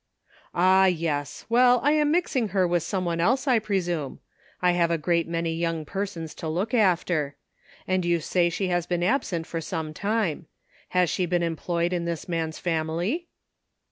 '' Ah, yes ! well, I am mixing her with some one else, I presume ; I have a great many young persons to look after. And you say she has been absent for some time. Has she been em ployed in this man's family?